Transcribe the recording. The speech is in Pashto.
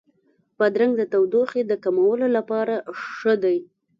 بادرنګ د تودوخې د کمولو لپاره ښه دی.